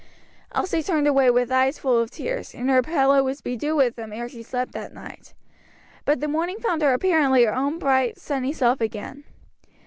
Elsie turned away with eyes full of tears, and her pillow was bedewed with them ere she slept that night. But the morning found her apparently her own bright, sunny self again.